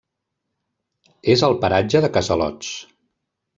És al paratge de Casalots.